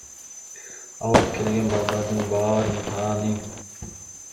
Алып келген балдардын баарын тааныйм.